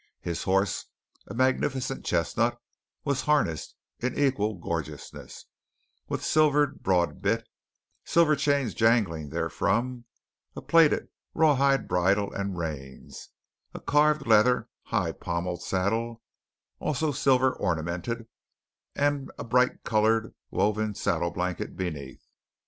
His horse, a magnificent chestnut, was harnessed in equal gorgeousness, with silvered broad bit, silver chains jangling therefrom, a plaited rawhide bridle and reins, a carved leather, high pommelled saddle, also silver ornamented, and a bright coloured, woven saddle blanket beneath.